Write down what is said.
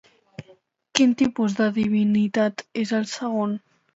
Quin tipus de divinitat és el segon?